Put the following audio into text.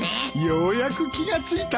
ようやく気が付いたか。